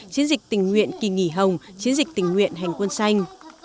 chiến dịch tình nguyện kỳ nghỉ hồng chiến dịch tình nguyện hành quân xanh